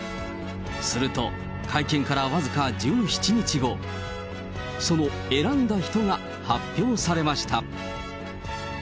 すると、会見から僅か１７日後、その選んだ人が発表されました。